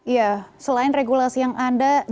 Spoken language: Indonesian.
ya selain regulasi yang ada